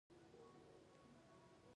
د سندل لرګی د څه لپاره وکاروم؟